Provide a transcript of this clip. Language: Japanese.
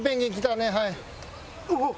うわっ！